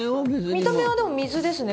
見た目はでも、水ですね。